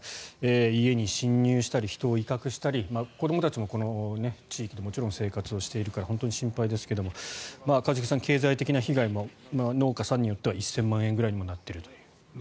家に侵入したり人を威嚇したり子どもたちもこの地域で生活しているから本当に心配ですが一茂さん、経済的な被害も農家さんによっては１０００万円ぐらいになっているという。